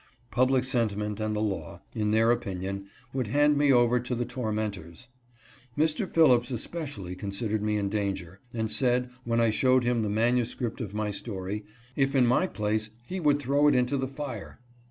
Public sentiment and the law, in their opinion, would hand me over to the tormentors. Mr. Phillips especially considered me in danger, and said, when I showed him the manuscript of my story, if in my place he would " throw it into the fire."